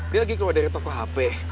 dia lagi keluar dari toko hp